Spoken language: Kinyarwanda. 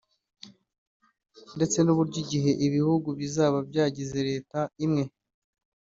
ndetse n’uburyo igihe ibihugu bizaba byagize Leta imwe